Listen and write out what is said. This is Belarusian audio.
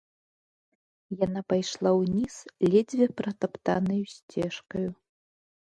Яна пайшла ўніз ледзьве пратаптанаю сцежкаю.